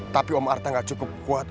tapi om arta gak cukup kuat